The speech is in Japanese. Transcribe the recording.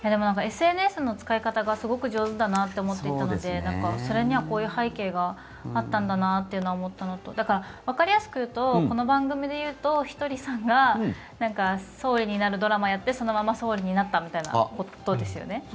でも、ＳＮＳの使い方がすごく上手だなと思っていたのでそれにはこういう背景があったんだなと思ったのとだから、わかりやすく言うとこの番組で言うとひとりさんが総理になるドラマをやってそのまま総理になったみたいなことですよね。